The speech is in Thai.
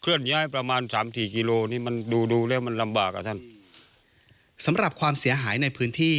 เคลื่อนย้ายประมาณสามสี่กิโลนี่มันดูดูแล้วมันลำบากอ่ะท่านสำหรับความเสียหายในพื้นที่